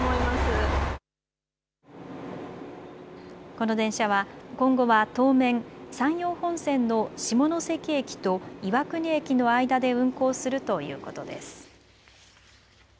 この電車は今後は当面山陽本線の下関駅と岩国駅の間で運行するということです。